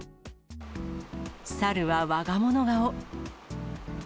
サルはわが物顔。